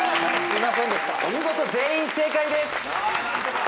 お見事全員正解です！